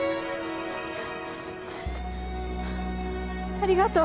ありがとう。